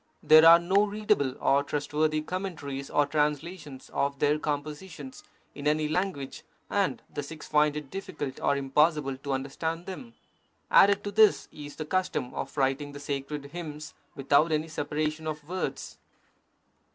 There are no readable or trustworthy com mentaries or translations of their compositions in any lan guage, and the Sikhs find it difficult or impossible to under stand them. Added to this is the custom of writing the sacred hymns without any separation of words.